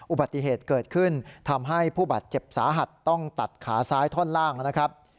อุบัติเหตุเกิดขึ้นทำให้ผู้บาดเจ็บสาหัสต้องตัดขาซ้ายท่อนล่างนะครับ